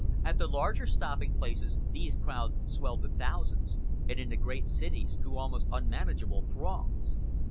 At the larger stopping places these crowds swelled to thousands, and in the great cities to almost unmanageable throngs.